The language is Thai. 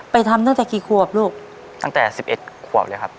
ไปทำตั้งแต่กี่ควบลูกตั้งแต่๑๑ควบเลยครับ